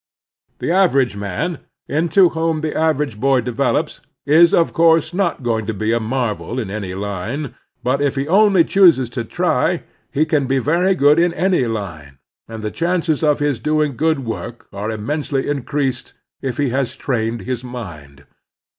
The average man, into whom the average boy develops, is, of course, not going to be a marvel in any line, but, if he only chooses to try, he can be very good in any line, and the chances of his doing good work are immensely increased if he has trained his mind.